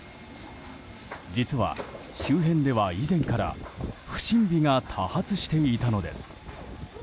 実は、周辺では以前から不審火が多発していたのです。